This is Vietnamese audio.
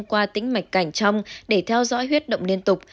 qua tính mạch cảnh trong để theo dõi huyết động liên tục